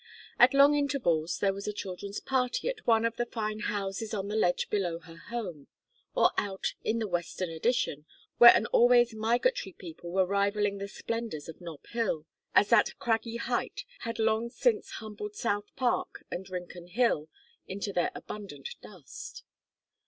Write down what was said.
At long intervals there was a children's party at one of the fine houses on the ledge below her home; or out in the Western Addition, where an always migratory people were rivalling the splendors of Nob Hill as that craggy height had long since humbled South Park and Rincon Hill into their abundant dust.